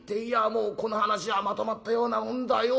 もうこの話はまとまったようなもんだよ。